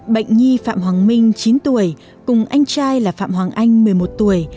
bệnh nhi phạm hoàng minh chín tuổi cùng anh trai là phạm hoàng anh một mươi một tuổi